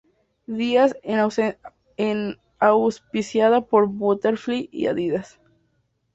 Díaz es auspiciada por Butterfly y Adidas.